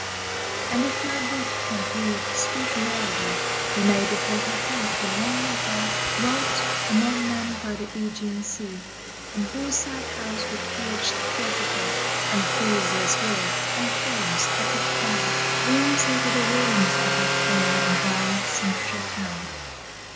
[45 3 And if my flute can breathe sweet melody, We may behold Her face who long ago Dwelt among men by the ^Egean sea, And whose sad house with pillaged portico And friezeless wall and columns toppled down Looms o'er the ruins of that fair and violet cincture town.